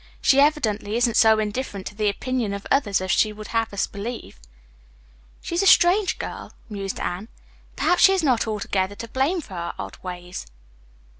"She evidently isn't so indifferent to the opinion of others as she would have us believe." "She is a strange girl," mused Anne. "Perhaps she is not altogether to blame for her odd ways."